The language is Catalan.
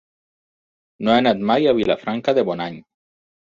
No he anat mai a Vilafranca de Bonany.